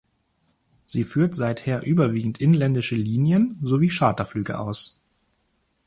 Sie führt seither überwiegend inländische Linien- sowie Charterflüge aus.